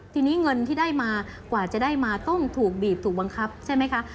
ทีนี้เงินที่ได้มากว่าจะได้มาต้องถูกบีบถูกบังคับใช่ไหมคะ